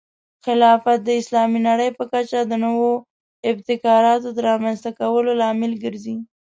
خلافت د اسلامي نړۍ په کچه د نوو ابتکاراتو د رامنځته کولو لامل ګرځي.